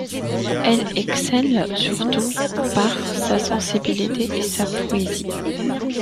Elle excelle surtout par sa sensibilité et sa poésie.